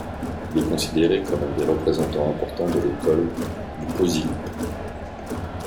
Il est considéré comme un des représentants importants de l'École du Pausilippe.